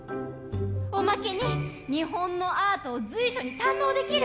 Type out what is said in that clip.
おまけに日本のアートを随所に堪能できる